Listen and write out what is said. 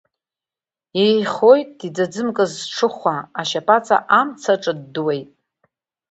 Еихоит, иӡаӡымкыз сҽыхәа, ашьапаҵа амца аҿыддуеит…